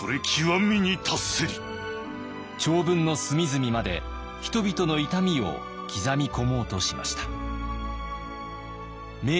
長文の隅々まで人々の痛みを刻み込もうとしました。